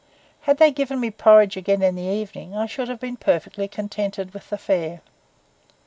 Had they given me porridge again in the evening, I should have been perfectly contented with the fare.